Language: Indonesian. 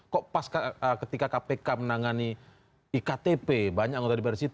kok pas ketika kpk menangani iktp banyak yang tadi dari situ